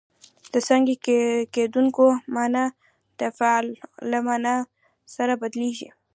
د ساکني قیدونو مانا د فعل له مانا سره بدلیږي.